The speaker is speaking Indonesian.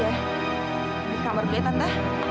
ambil kamar gue tante